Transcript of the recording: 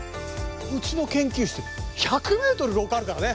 うちの研究室１００ｍ廊下あるからね。